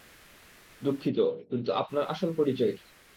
দুঃখিত, কিন্তু আপনার আসল পরিচয় কী?